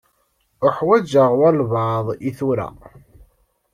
Uḥwaǧeɣ walebɛaḍ i tura.